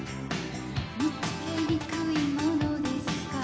見つけにくいものですか？